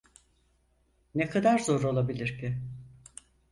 Ne kadar zor olabilir ki?